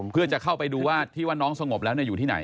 เพื่อจะเข้าไปดูว่าที่ว่าน้องสงบแล้วอยู่ที่ไหน